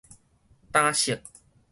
今式